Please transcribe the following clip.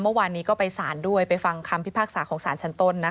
เมื่อวานนี้ก็ไปสารด้วยไปฟังคำพิพากษาของสารชั้นต้นนะคะ